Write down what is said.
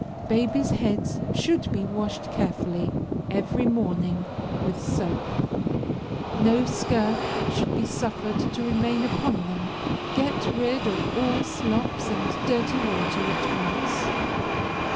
Babies' heads should be washed carefully, every morning with soap. No scurf should be suffered to remain upon them. Get rid of all slops and dirty water at once.